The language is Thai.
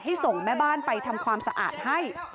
ส่งแม่บ้านไปทำความสะอาดให้